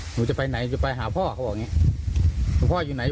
หนูจะไปไหนจะไปหาพ่อเขาบอกอย่างนี้หลวงพ่ออยู่ไหน